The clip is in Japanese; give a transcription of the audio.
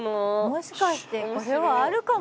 もしかしてこれはあるかも。